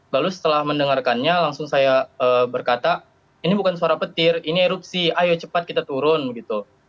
lalu setelah mendengarkannya langsung saya berkata ini bukan suara petir ini erupsi ayo cepat kita turun gitu